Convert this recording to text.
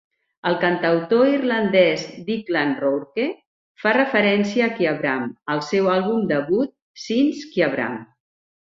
El cantautor irlandès Declan O'Rourke fa referència a Kyabram al seu àlbum debut "Since Kyabram".